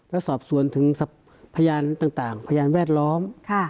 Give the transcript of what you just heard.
และสอบสวนถึงพยานต่างพยานแวดล้อม